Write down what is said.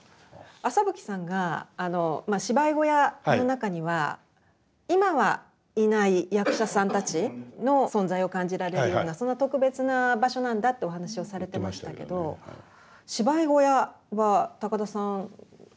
朝吹さんが芝居小屋の中には今はいない役者さんたちの存在を感じられるようなそんな特別な場所なんだってお話をされてましたけど芝居小屋は高田さん縁が深いですよね。